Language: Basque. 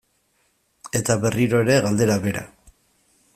Eta berriro ere galdera bera.